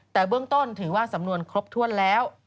แต่เบื้องต้นถือว่าสำนวนครบถ้วนแล้ว